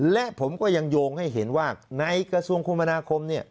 และผมก็ยังโยงให้เห็นว่าในกระทรวงคมนาคม